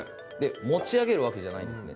持ち上げるわけじゃないんですね